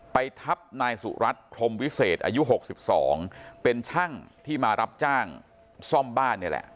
ไปทับนายสุรัตน์พรมวิเศษอายุ๖๒เป็นช่างที่มารับจ้างซ่อมบ้านนี่แหละ